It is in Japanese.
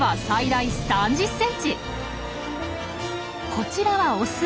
こちらはオス。